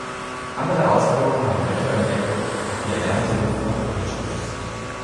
Andere Ausführungen haben Löcher im Deckel, durch die erwärmte Luft nach oben strömt.